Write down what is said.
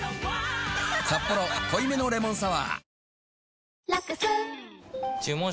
「サッポロ濃いめのレモンサワー」